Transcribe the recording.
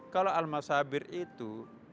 kalau al masabir itu